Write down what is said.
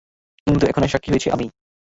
কিন্তু এখন এর সাক্ষী হয়েছি আমি।